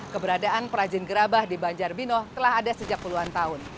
keberadaan perajin gerabah di banjarbino telah ada sejak puluhan tahun